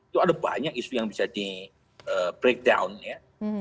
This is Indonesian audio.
itu ada banyak isu yang bisa di breakdown ya